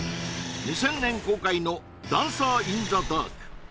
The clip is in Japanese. ２０００年公開の「ダンサー・イン・ザ・ダーク」